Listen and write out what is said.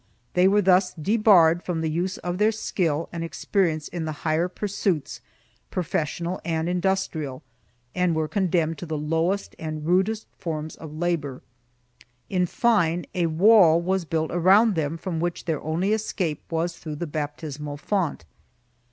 1 They were thus debarred from the use of their skill and experience in the higher pursuits, profes sional and industrial, and were condemned to the lowest and rudest forms of labor; in fine, a wall was built around them from which their only escape was through the baptismal font.